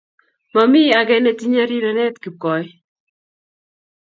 Mami age netinye riranet kipkoi